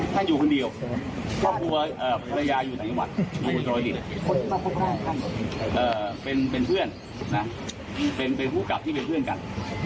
พี่หนูเป็นเพื่อนเป็นผู้กับที่เป็นเพื่อนกัน